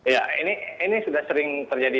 ya ini sudah sering terjadi